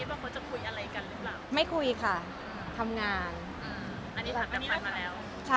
อันนี้ถามกันมาแล้ว